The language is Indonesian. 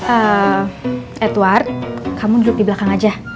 eh edward kamu duduk di belakang aja